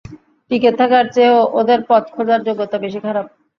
টিকে থাকার চেয়েও ওদের পথ খোঁজার যোগ্যতা বেশি খারাপ।